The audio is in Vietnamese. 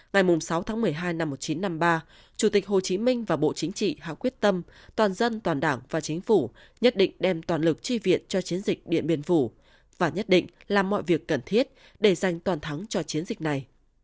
ngày sáu tháng một mươi hai năm một nghìn chín trăm năm mươi ba chủ tịch hồ chí minh và bộ chính trị hạ quyết tâm toàn dân toàn đảng và chính phủ nhất định đem toàn lực tri viện cho chiến dịch điện biên phủ và nhất định làm mọi việc cần thiết để giành toàn thắng cho chiến dịch này